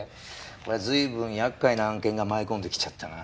これは随分厄介な案件が舞い込んできちゃったな。